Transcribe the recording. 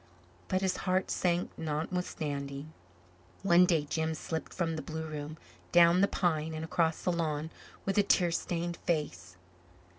But his heart sank notwithstanding. One day Jims slipped from the blue room, down the pine and across the lawn with a tear stained face.